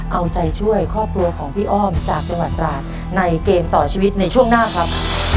เอาใจช่วยครอบครัวของพี่อ้อมจากจังหวัดตราดในเกมต่อชีวิตในช่วงหน้าครับ